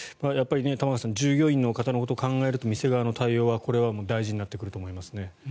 玉川さん従業員の方のことを考えると店側の対応はこれは大事になってくると思いますね。